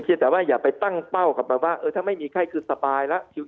แต่ว่าอย่าไปตั้งเป้ากลับไปว่าเออถ้าไม่มีไข้คือสบายแล้ว